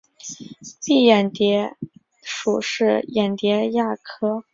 蔽眼蝶属是眼蝶亚科眼蝶族眉眼蝶亚族中的一个属。